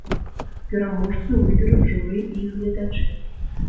Пераможцу выберуць журы і гледачы.